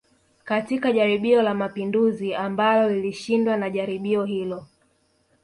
Katika jaribio la mapinduzi ambalo lilishindwa na jaribio hilo